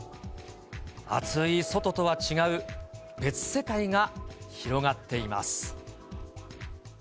暑い外とは違う、別世界が広がっています。